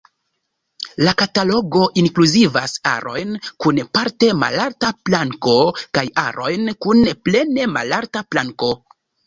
La katalogo inkluzivas arojn kun parte malalta planko kaj arojn kun plene malalta planko.